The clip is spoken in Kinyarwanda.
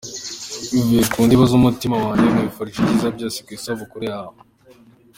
Bivuye ku ndiba z’umutima wanjye nkwifurije ibyiza byose ku isabukuru yawe.